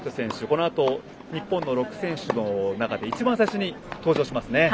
このあと日本の６選手の中で一番最初に登場しますね。